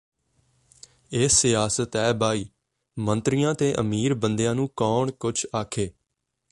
ਇਹ ਸਿਆਸਤ ਐ ਬਾਈ… ਮੰਤਰੀਆਂ ਤੇ ਅਮੀਰ ਬੰਦਿਆਂ ਨੂੰ ਕੌਣ ਕੁਛ ਆਖੇ..